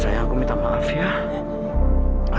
saya aku minta maaf ya